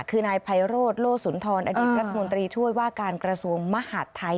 คือนายไพโรธโลสุนทรอดีตรัฐมนตรีช่วยว่าการกระทรวงมหาดไทย